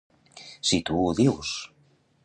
Si tu ho dius!